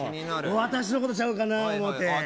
私のことちゃうかなと思って。